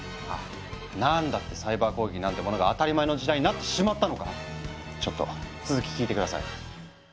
なんだってサイバー攻撃なんてものが当たり前の時代になってしまったのかちょっと続き聞いて下さい。